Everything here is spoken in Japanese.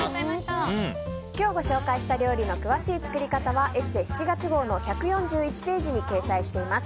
今日ご紹介したお料理の詳しい作り方は「ＥＳＳＥ」７月号の１４１ページに掲載しています。